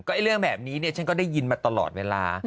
เรื่องแบบนี้เนี่ยฉันก็ได้ยินมาตลอดเวลา